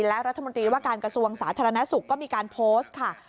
และรัฐมนตรีว่าการกระทรวงสาธารณสุขก็มีการโพสต์ค่ะ